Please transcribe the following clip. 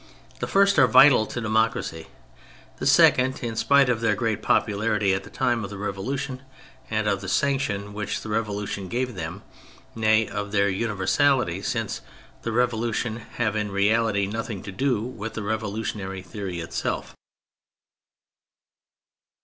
The first are vital to democracy. The second, in spite of their great popularity at the time of the Revolution and of the sanction which the Revolution gave them, nay, of their universality since the Revolution, have in reality nothing to do with the revolutionary theory itself.